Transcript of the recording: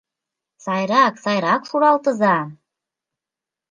Сайрак, сайрак шуралтыза!